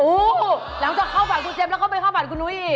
อู้วแล้วเข้าฝันคุณเจมส์แล้วก็ไปเข้าฝันคุณนุ้ยอีก